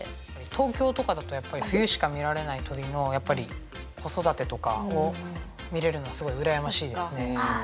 東京とかだとやっぱり冬しか見られない鳥のやっぱり子育てとかを見れるのはすごいうらやましいですね。